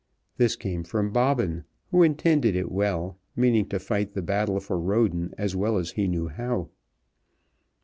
This came from Bobbin, who intended it well, meaning to fight the battle for Roden as well as he knew how.